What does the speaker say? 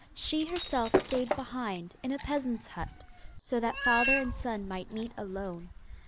She herself stayed behind in a peasant's hut, so that father and son might meet alone.